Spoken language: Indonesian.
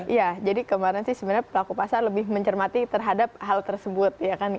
ya jadi kemarin sih sebenarnya pelaku pasar lebih mencermati terhadap hal tersebut ya kan